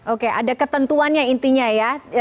oke ada ketentuannya intinya ya